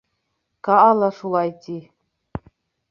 — Каа ла шулай ти.